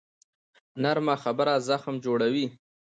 نرمه خبره زخم جوړوي